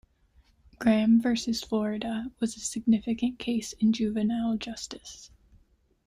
"Graham versus Florida" was a significant case in juvenile justice.